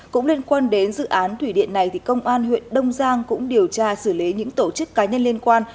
cũng liên quan đến dự án thủy điện này công an huyện đông giang cũng điều tra xử lý những tổ chức cá nhân liên quan